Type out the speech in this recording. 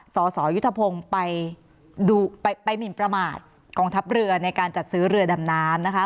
สสยุทธพงศ์ไปดูไปหมินประมาทกองทัพเรือในการจัดซื้อเรือดำน้ำนะคะ